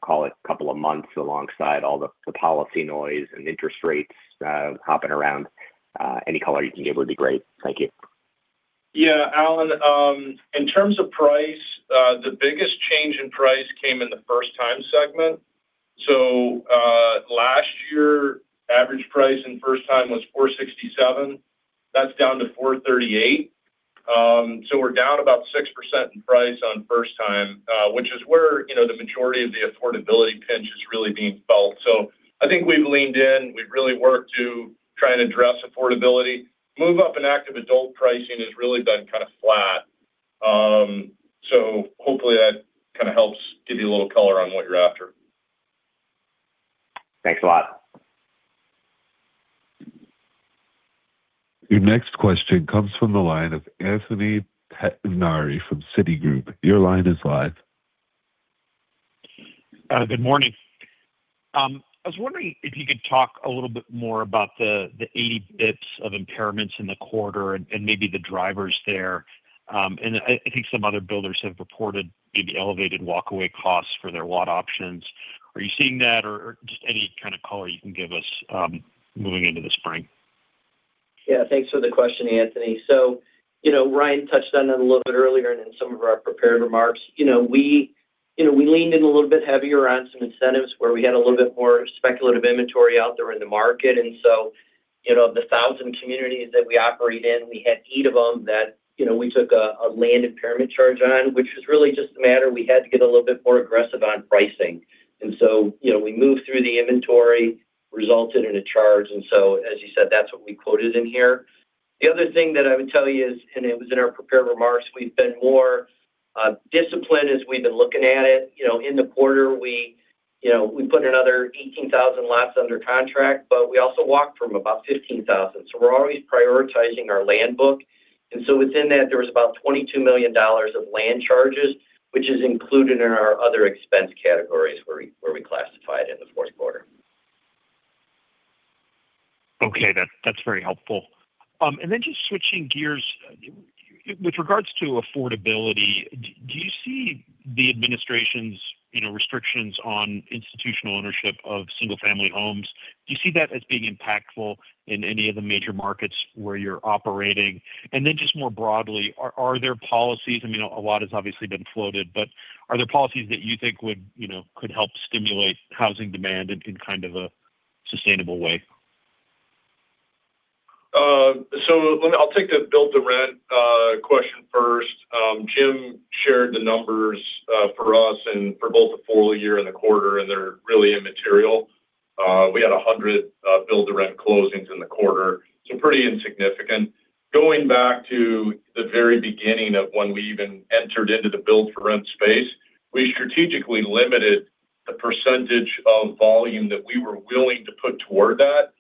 call it, couple of months alongside all the policy noise and interest rates hopping around. Any color you can give would be great. Thank you. Yeah. Alan, in terms of price, the biggest change in price came in the first-time segment. So last year, average price in first-time was $467. That's down to $438. So we're down about 6% in price on first-time, which is where the majority of the affordability pinch is really being felt. So I think we've leaned in. We've really worked to try and address affordability. Move up in active adult pricing has really been kind of flat. Hopefully, that kind of helps give you a little color on what you're after. Thanks a lot. Your next question comes from the line of Anthony Pettinari from Citigroup. Your line is live. Good morning. I was wondering if you could talk a little bit more about the 80 basis points of impairments in the quarter and maybe the drivers there. And I think some other builders have reported maybe elevated walk-away costs for their lot options. Are you seeing that or just any kind of color you can give us moving into the spring? Yeah. Thanks for the question, Anthony. So Ryan touched on it a little bit earlier and in some of our prepared remarks. We leaned in a little bit heavier on some incentives where we had a little bit more speculative inventory out there in the market. Of the 1,000 communities that we operate in, we had eight of them that we took a land impairment charge on, which was really just a matter we had to get a little bit more aggressive on pricing. And so we moved through the inventory, resulted in a charge. And so, as you said, that's what we quoted in here. The other thing that I would tell you is, and it was in our prepared remarks, we've been more disciplined as we've been looking at it. In the quarter, we put another 18,000 lots under contract, but we also walked from about 15,000. So we're always prioritizing our land book. And so within that, there was about $22 million of land charges, which is included in our other expense categories where we classified in the fourth quarter. Okay. That's very helpful. And then just switching gears, with regards to affordability, do you see the administration's restrictions on institutional ownership of single-family homes? Do you see that as being impactful in any of the major markets where you're operating? And then just more broadly, are there policies? I mean, a lot has obviously been floated, but are there policies that you think could help stimulate housing demand in kind of a sustainable way? So I'll take the build-to-rent question first. Jim shared the numbers for us and for both the four-year and the quarter, and they're really immaterial. We had 100 build-to-rent closings in the quarter, so pretty insignificant. Going back to the very beginning of when we even entered into the build-to-rent space, we strategically limited the percentage of volume that we were willing to put toward that.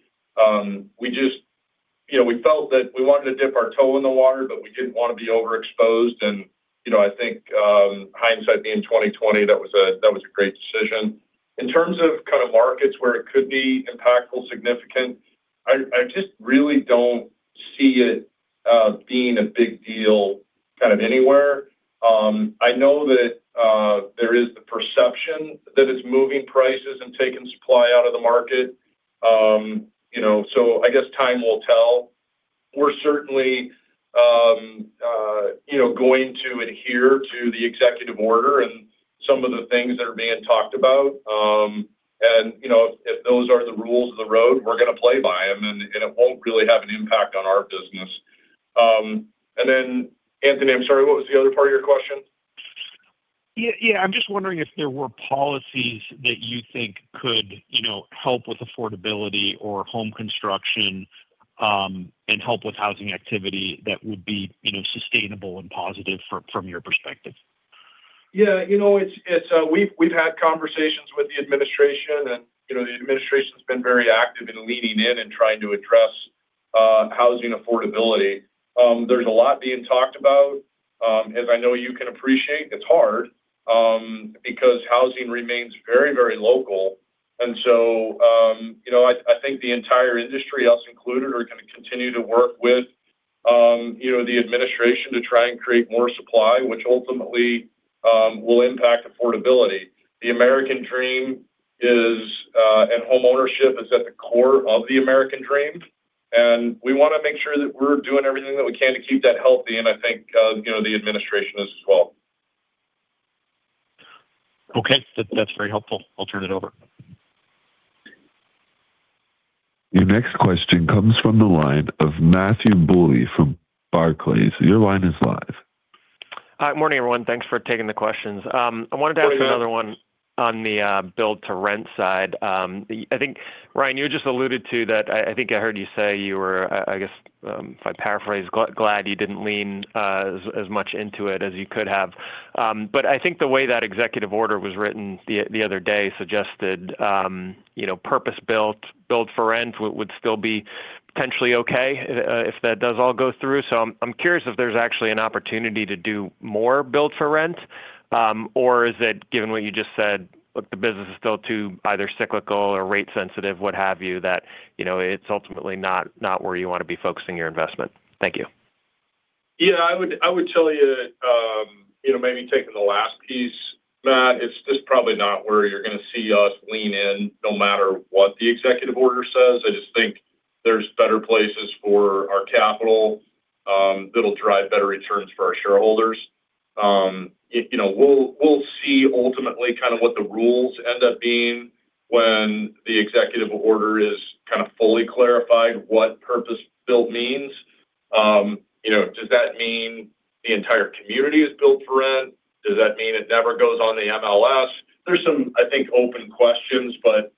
We felt that we wanted to dip our toe in the water, but we didn't want to be overexposed. I think hindsight being 20/20, that was a great decision. In terms of kind of markets where it could be impactful, significant, I just really don't see it being a big deal kind of anywhere. I know that there is the perception that it's moving prices and taking supply out of the market. I guess time will tell. We're certainly going to adhere to the executive order and some of the things that are being talked about. If those are the rules of the road, we're going to play by them, and it won't really have an impact on our business. Then, Anthony, I'm sorry, what was the other part of your question? Yeah. I'm just wondering if there were policies that you think could help with affordability or home construction and help with housing activity that would be sustainable and positive from your perspective. Yeah. We've had conversations with the administration, and the administration's been very active in leaning in and trying to address housing affordability. There's a lot being talked about. As I know you can appreciate, it's hard because housing remains very, very local. And so I think the entire industry, us included, are going to continue to work with the administration to try and create more supply, which ultimately will impact affordability. The American dream and homeownership is at the core of the American dream. And we want to make sure that we're doing everything that we can to keep that healthy, and I think the administration is as well. Okay. That's very helpful. I'll turn it over. Your next question comes from the line of Matthew Bouley from Barclays. Your line is live. Hi. Morning, everyone. Thanks for taking the questions. I wanted to ask another one on the build-to-rent side. I think, Ryan, you just alluded to that. I think I heard you say you were, I guess, if I paraphrase, glad you didn't lean as much into it as you could have. But I think the way that executive order was written the other day suggested purpose-built build-for-rent would still be potentially okay if that does all go through. So I'm curious if there's actually an opportunity to do more build-for-rent, or is it, given what you just said, the business is still too either cyclical or rate-sensitive, what have you, that it's ultimately not where you want to be focusing your investment? Thank you. Yeah. I would tell you, maybe taking the last piece, Matt, it's just probably not where you're going to see us lean in no matter what the executive order says. I just think there's better places for our capital that'll drive better returns for our shareholders. We'll see ultimately kind of what the rules end up being when the executive order is kind of fully clarified what purpose-built means. Does that mean the entire community is built-for-rent? Does that mean it never goes on the MLS? There's some, I think, open questions, but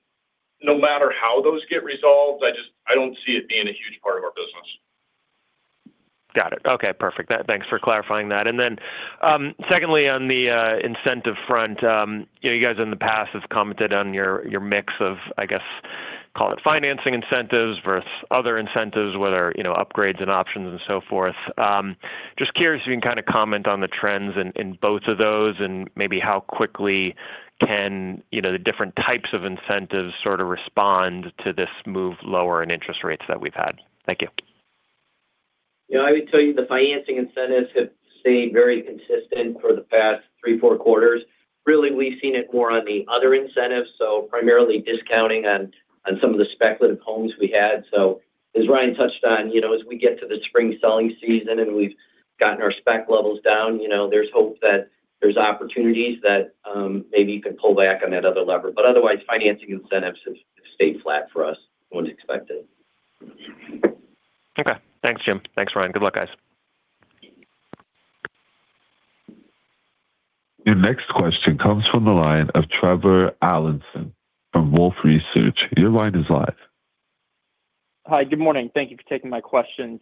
no matter how those get resolved, I don't see it being a huge part of our business. Got it. Okay. Perfect. Thanks for clarifying that. And then secondly, on the incentive front, you guys in the past have commented on your mix of, I guess, call it financing incentives versus other incentives, whether upgrades and options and so forth. Just curious if you can kind of comment on the trends in both of those and maybe how quickly can the different types of incentives sort of respond to this move lower in interest rates that we've had. Thank you. Yeah. I would tell you the financing incentives have stayed very consistent for the past 3, 4 quarters. Really, we've seen it more on the other incentives, so primarily discounting on some of the speculative homes we had. So as Ryan touched on, as we get to the spring selling season and we've gotten our spec levels down, there's hope that there's opportunities that maybe you can pull back on that other lever. But otherwise, financing incentives have stayed flat for us, what's expected. Okay. Thanks, Jim. Thanks, Ryan. Good luck, guys. Your next question comes from the line of Truman Patterson from Wolfe Research. Your line is live. Hi. Good morning. Thank you for taking my questions.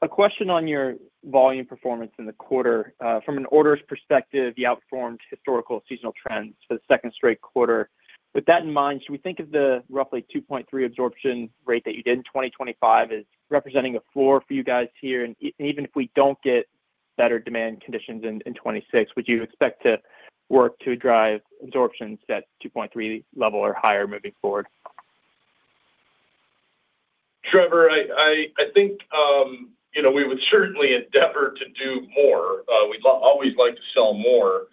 A question on your volume performance in the quarter. From an orders perspective, you outperformed historical seasonal trends for the second straight quarter. With that in mind, should we think of the roughly 2.3 absorption rate that you did in 2025 as representing a floor for you guys here? And even if we don't get better demand conditions in 2026, would you expect to work to drive absorptions at 2.3 level or higher moving forward? Truman, I think we would certainly endeavor to do more. We'd always like to sell more.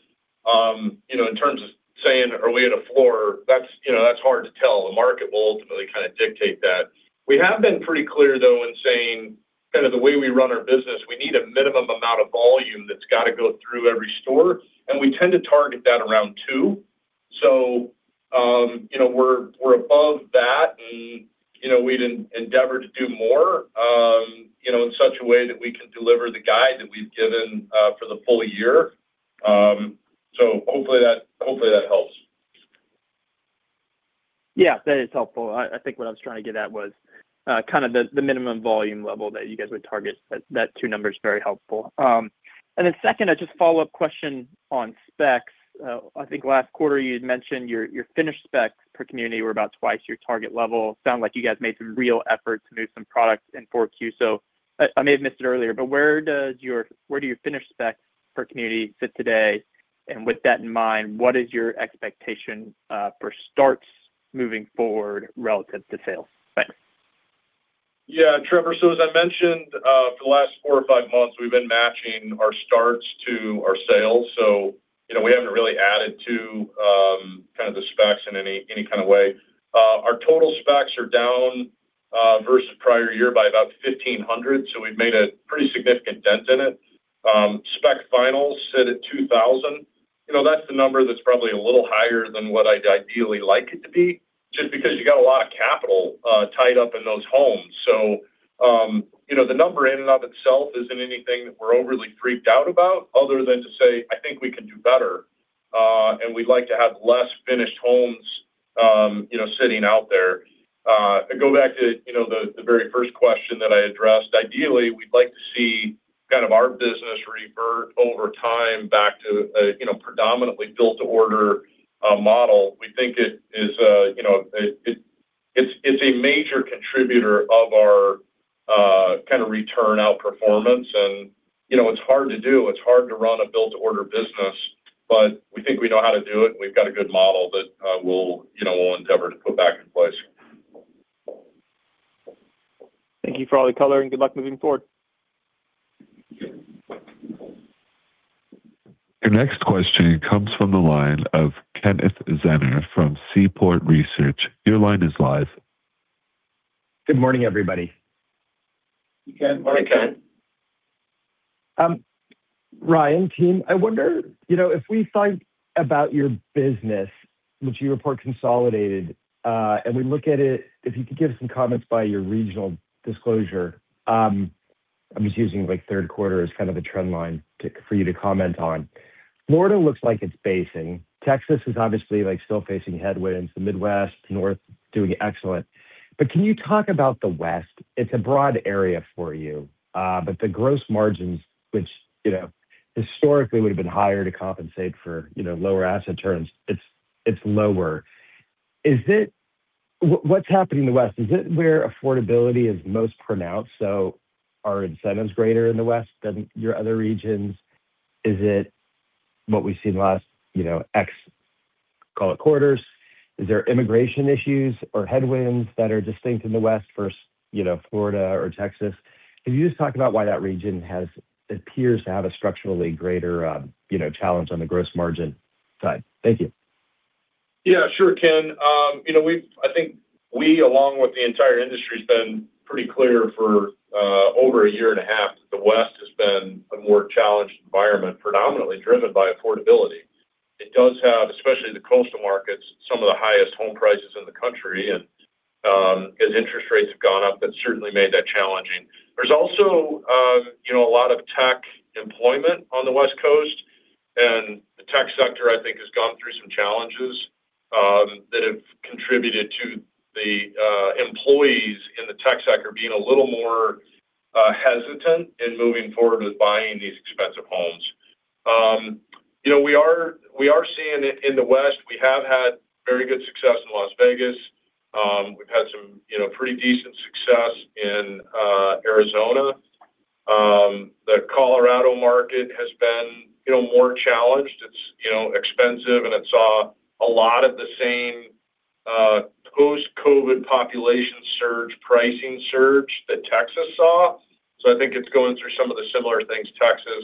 In terms of saying, "Are we at a floor?" that's hard to tell. The market will ultimately kind of dictate that. We have been pretty clear, though, in saying kind of the way we run our business, we need a minimum amount of volume that's got to go through every store. And we tend to target that around two. So we're above that, and we'd endeavor to do more in such a way that we can deliver the guide that we've given for the full year. So hopefully, that helps. Yeah. That is helpful. I think what I was trying to get at was kind of the minimum volume level that you guys would target. That two number is very helpful. And then second, a just follow-up question on specs. I think last quarter, you had mentioned your finished specs per community were about twice your target level. Sounds like you guys made some real effort to move some products in 4Q. So I may have missed it earlier, but where do your finished specs per community sit today? And with that in mind, what is your expectation for starts moving forward relative to sales? Thanks. Yeah. Truman, so as I mentioned, for the last four or five months, we've been matching our starts to our sales. So we haven't really added to kind of the specs in any kind of way. Our total specs are down versus prior year by about 1,500. So we've made a pretty significant dent in it. Spec finals sit at 2,000. That's the number that's probably a little higher than what I'd ideally like it to be just because you got a lot of capital tied up in those homes. So the number in and of itself isn't anything that we're overly freaked out about other than to say, "I think we can do better, and we'd like to have less finished homes sitting out there." Go back to the very first question that I addressed. Ideally, we'd like to see kind of our business revert over time back to a predominantly build-to-order model. We think it is a major contributor of our kind of return outperformance. And it's hard to do. It's hard to run a build-to-order business, but we think we know how to do it, and we've got a good model that we'll endeavor to put back in place. Thank you for all the color and good luck moving forward. Your next question comes from the line of Kenneth Zener from Seaport Research. Your line is live. Good morning, everybody. Good morning. Hi, Ken. Ryan, team, I wonder if we think about your business, which you report consolidated, and we look at it, if you could give some comments by your regional disclosure. I'm just using third quarter as kind of a trend line for you to comment on. Florida looks like it's basing. Texas is obviously still facing headwinds. The Midwest, North, doing excellent. But can you talk about the West? It's a broad area for you, but the gross margins, which historically would have been higher to compensate for lower asset turns, it's lower. What's happening in the West? Is it where affordability is most pronounced? So are incentives greater in the West than your other regions? Is it what we've seen last X, call it, quarters? Is there immigration issues or headwinds that are distinct in the West versus Florida or Texas? Can you just talk about why that region appears to have a structurally greater challenge on the gross margin side? Thank you. Yeah. Sure, Ken. I think we, along with the entire industry, have been pretty clear for over a year and a half that the West has been a more challenged environment, predominantly driven by affordability. It does have, especially the coastal markets, some of the highest home prices in the country. And as interest rates have gone up, that's certainly made that challenging. There's also a lot of tech employment on the West Coast. And the tech sector, I think, has gone through some challenges that have contributed to the employees in the tech sector being a little more hesitant in moving forward with buying these expensive homes. We are seeing it in the West. We have had very good success in Las Vegas. We've had some pretty decent success in Arizona. The Colorado market has been more challenged. It's expensive, and it saw a lot of the same post-COVID population surge, pricing surge that Texas saw. So I think it's going through some of the similar things Texas.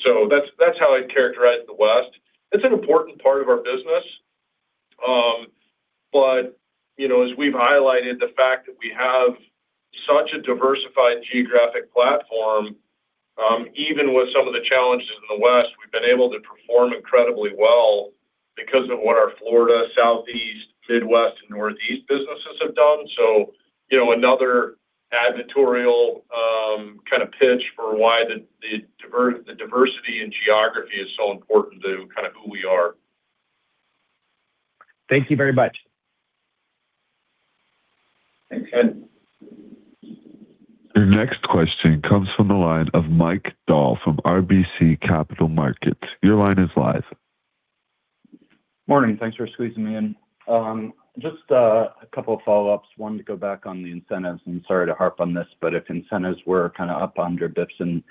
So that's how I'd characterize the West. It's an important part of our business. But as we've highlighted, the fact that we have such a diversified geographic platform, even with some of the challenges in the West, we've been able to perform incredibly well because of what our Florida, Southeast, Midwest, and Northeast businesses have done. So another advertorial kind of pitch for why the diversity in geography is so important to kind of who we are. Thank you very much. Thanks, Ken. Your next question comes from the line of Michael Dahl from RBC Capital Markets. Your line is live. Morning. Thanks for squeezing me in. Just a couple of follow-ups. One to go back on the incentives. And sorry to harp on this, but if incentives were kind of up on your bps in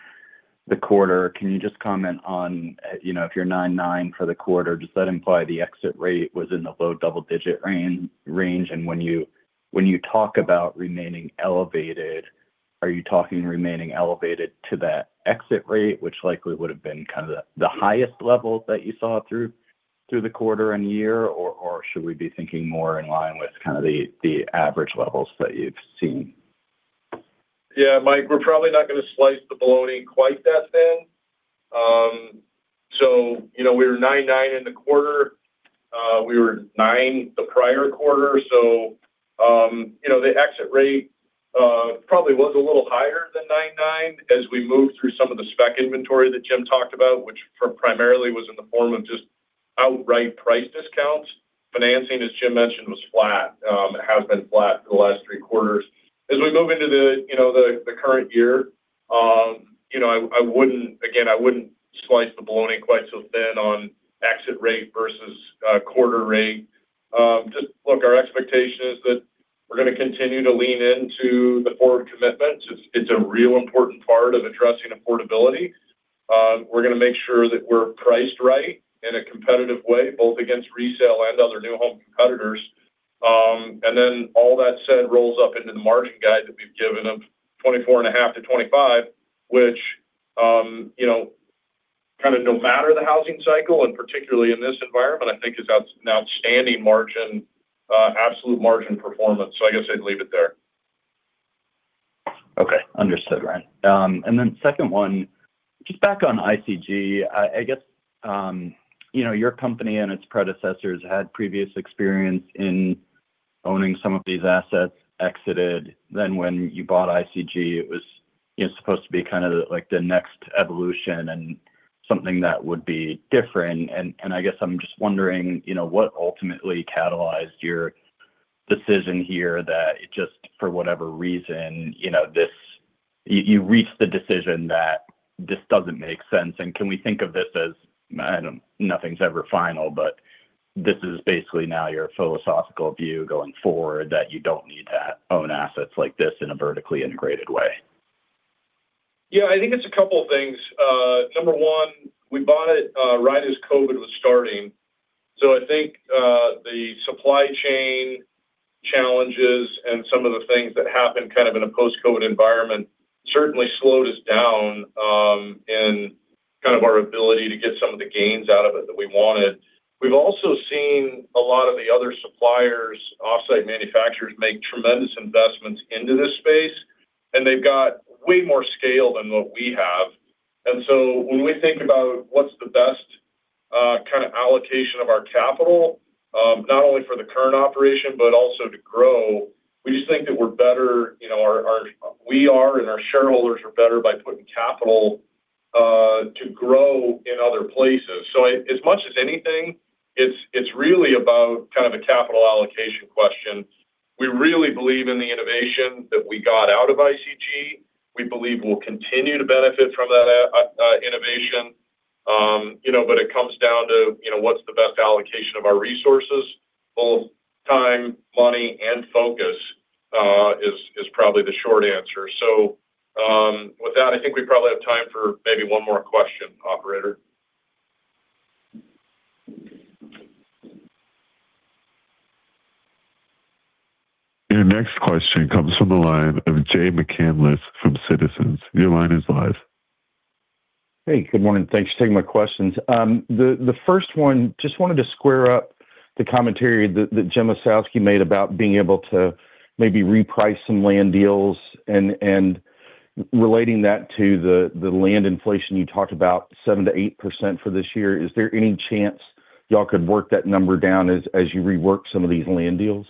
the quarter, can you just comment on if you're 9.9 for the quarter, does that imply the exit rate was in the low double-digit range? And when you talk about remaining elevated, are you talking remaining elevated to that exit rate, which likely would have been kind of the highest level that you saw through the quarter and year? Or should we be thinking more in line with kind of the average levels that you've seen? Yeah. Mike, we're probably not going to slice the baloney quite that thin. So we were 9.9 in the quarter. We were 9 the prior quarter. So the exit rate probably was a little higher than 9.9 as we moved through some of the spec inventory that Jim talked about, which primarily was in the form of just outright price discounts. Financing, as Jim mentioned, was flat. It has been flat for the last three quarters. As we move into the current year, again, I wouldn't slice the baloney quite so thin on exit rate versus quarter rate. Just look, our expectation is that we're going to continue to lean into the forward commitments. It's a real important part of addressing affordability. We're going to make sure that we're priced right in a competitive way, both against resale and other new home competitors. Then all that said rolls up into the margin guide that we've given of 24.5-25, which kind of no matter the housing cycle, and particularly in this environment, I think is an outstanding absolute margin performance. So I guess I'd leave it there. Okay. Understood, Ryan. And then second one, just back on ICG, I guess your company and its predecessors had previous experience in owning some of these assets, exited. Then when you bought ICG, it was supposed to be kind of the next evolution and something that would be different. And I guess I'm just wondering what ultimately catalyzed your decision here that just for whatever reason, you reached the decision that this doesn't make sense. And can we think of this as nothing's ever final, but this is basically now your philosophical view going forward that you don't need to own assets like this in a vertically integrated way? Yeah. I think it's a couple of things. Number one, we bought it right as COVID was starting. So I think the supply chain challenges and some of the things that happened kind of in a post-COVID environment certainly slowed us down in kind of our ability to get some of the gains out of it that we wanted. We've also seen a lot of the other suppliers, off-site manufacturers, make tremendous investments into this space, and they've got way more scale than what we have. So when we think about what's the best kind of allocation of our capital, not only for the current operation, but also to grow, we just think that we're better—we are and our shareholders are better by putting capital to grow in other places. So as much as anything, it's really about kind of a capital allocation question. We really believe in the innovation that we got out of ICG. We believe we'll continue to benefit from that innovation. But it comes down to what's the best allocation of our resources. Both time, money, and focus is probably the short answer. So with that, I think we probably have time for maybe one more question, Operator. Your next question comes from the line of Jay McCanless from Citizens. Your line is live. Hey, good morning. Thanks for taking my questions. The first one, just wanted to square up the commentary that Jim Ossowski made about being able to maybe reprice some land deals and relating that to the land inflation you talked about, 7%-8% for this year. Is there any chance y'all could work that number down as you rework some of these land deals?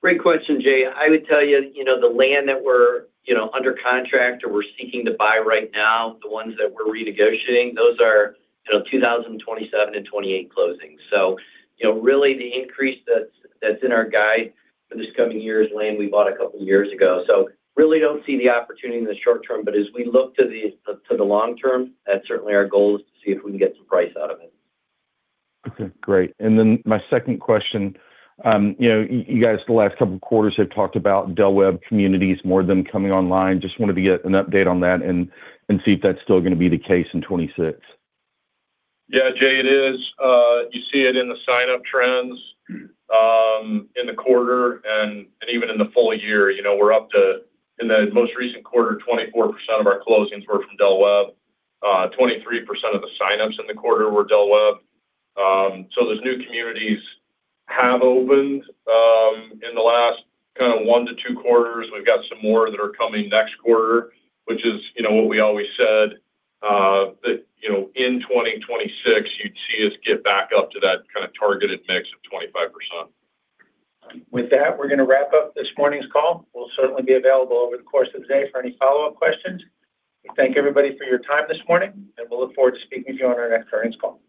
Great question, Jay. I would tell you the land that we're under contract or we're seeking to buy right now, the ones that we're renegotiating, those are 2027 and 2028 closings. So really, the increase that's in our guide for this coming year's land, we bought a couple of years ago. So really don't see the opportunity in the short term. But as we look to the long term, that's certainly our goal is to see if we can get some price out of it. Okay. Great. Then my second question: you guys the last couple of quarters have talked about Del Webb communities, more of them coming online. Just wanted to get an update on that and see if that's still going to be the case in 2026. Yeah, Jay, it is. You see it in the sign-up trends in the quarter and even in the full year. We're up to, in the most recent quarter, 24% of our closings were from Del Webb. 23% of the sign-ups in the quarter were Del Webb. So those new communities have opened in the last kind of 1-2 quarters. We've got some more that are coming next quarter, which is what we always said, that in 2026, you'd see us get back up to that kind of targeted mix of 25%. With that, we're going to wrap up this morning's call. We'll certainly be available over the course of the day for any follow-up questions. We thank everybody for your time this morning, and we'll look forward to speaking with you on our next earnings call.